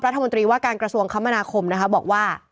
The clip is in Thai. รัฐมนตรีว่าการกระทรวงคมนาคมนะคะบอกว่า